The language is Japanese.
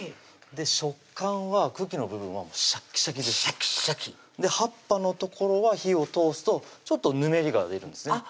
食感は茎の部分はシャッキシャキですシャキシャキ葉っぱの所は火を通すとちょっとぬめりが出るんですね